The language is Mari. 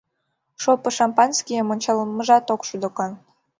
Шопо шампанскийым ончалмыжат ок шу докан...